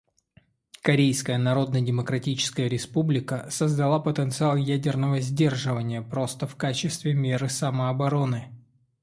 Корейская Народно-Демократическая Республика создала потенциал ядерного сдерживания, просто в качестве меры самообороны.